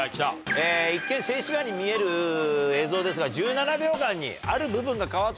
一見静止画に見える映像ですが１７秒間にある部分が変わっております。